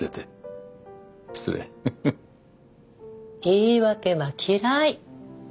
言い訳は嫌い。